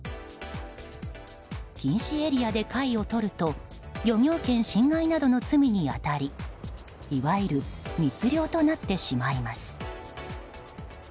禁止エリアで貝をとると漁協権侵害などの罪に当たりいわゆる密漁となってしまいます。